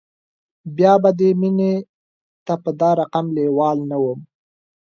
بیا به دې مینې ته په دا رقم لیوال نه وم